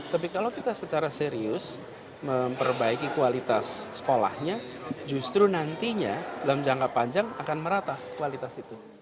tapi kalau kita secara serius memperbaiki kualitas sekolahnya justru nantinya dalam jangka panjang akan merata kualitas itu